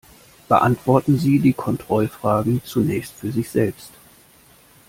Beantworten Sie die Kontrollfragen zunächst für sich selbst.